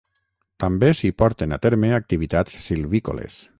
També s'hi porten a terme activitats silvícoles.